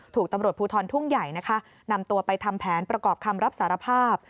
ถูกตำรวจภูทรทุ่งใหญ่นะคะนำตัวไปทำแผนประกอบคำรับสารภาพ